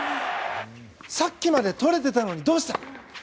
さっきまでとれてたのにどうした？